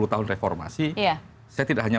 dua puluh tahun reformasi saya tidak hanya